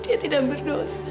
dia tidak berdosa